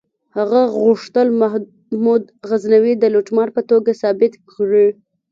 هغه غوښتل محمود غزنوي د لوټمار په توګه ثابت کړي.